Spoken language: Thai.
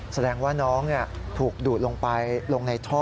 แสดงว่าน้องถูกดูดลงไปลงในท่อ